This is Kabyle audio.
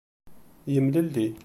Yemlelli.